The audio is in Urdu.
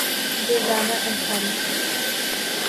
دردانہ انصاری کا